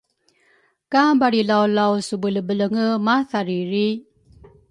Ka balrilaulaw subelebelenge mathariri?